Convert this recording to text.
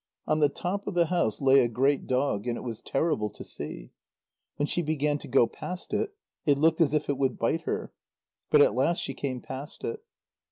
On the top of the house lay a great dog, and it was terrible to see. When she began to go past it, it looked as if it would bite her. But at last she came past it.